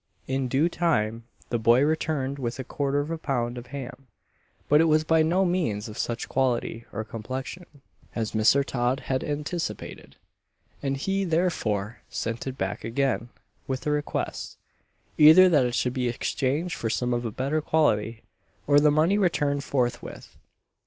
In due time the boy returned with a quarter of a pound of ham; but it was by no means of such quality, or complexion, as Mr. Todd had anticipated; and he therefore sent it back again, with a request, either that it should be exchanged for some of a better quality, or the money returned forthwith.